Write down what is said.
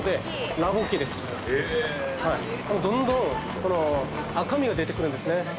どんどん赤みが出てくるんですね。